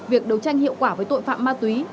việc đấu tranh hiệu quả với tội phạm ma túy